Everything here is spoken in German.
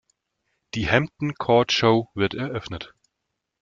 Die Hampton Court Show wird eröffnet.